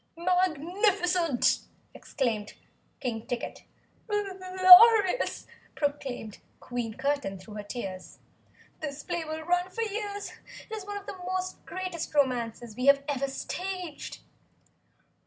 "Magnificent!" exclaimed King Ticket. "Glorious!" proclaimed Queen Curtain through her tears. "This play will run for years it is one of the greatest romances we have ever staged!"